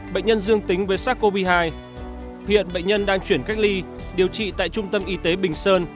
bệnh nhân dương tính với sars cov hai hiện bệnh nhân đang chuyển cách ly điều trị tại trung tâm y tế bình sơn